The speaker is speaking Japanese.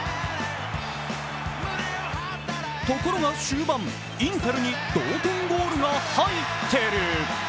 ところが終盤インテルに同点ゴールが入ってる。